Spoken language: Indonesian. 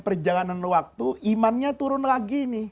perjalanan waktu imannya turun lagi nih